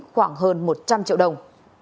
khoảng hơn một trăm linh triệu đồng